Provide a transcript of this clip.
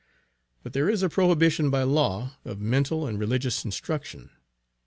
But there is a prohibition by law, of mental and religious instruction.